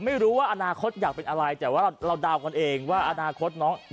ไม่รู้ว่าอนาคตอยากเป็นอะไรแต่ว่าเราเดากันเองว่าอนาคตน้อง